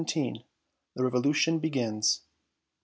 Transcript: THE REVOLUTION BEGINS.